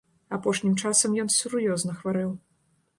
Апошнім часам ён сур'ёзна хварэў.